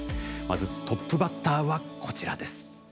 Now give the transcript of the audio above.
まずトップバッターはこちらです。